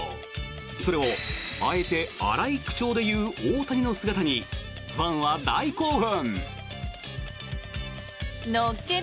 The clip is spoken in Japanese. それを、あえて荒い口調で言う大谷の姿にファンは大興奮。